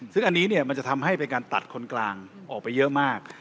ซึ่งอันนี้มันจะทำให้เป็นการตัดคนกลางออกไปเยอะมาก